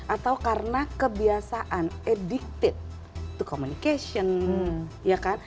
atau karena kebiasaan addicted to communication ya kan